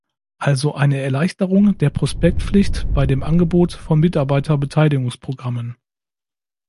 Also eine Erleichterung der Prospektpflicht bei dem Angebot von Mitarbeiterbeteiligungsprogrammen.